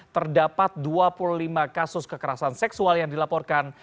terdapat dua puluh lima kasus kekerasan seksual yang dilaporkan